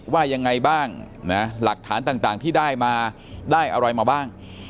ว่ายังไงบ้างนะหลักฐานต่างที่ได้มาได้อะไรมาบ้าง